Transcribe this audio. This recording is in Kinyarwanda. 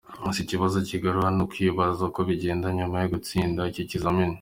Gusa ikibazo kigaruka ni ukwibaza uko bigenda nyuma yo gutsinda icyo kizamini.